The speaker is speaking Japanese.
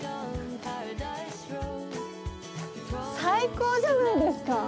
最高じゃないですか！